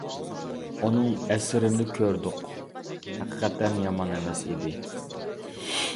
ئۇنىڭ ئەسىرىنى كۆردۇق، ھەقىقەتەن يامان ئەمەس ئىدى.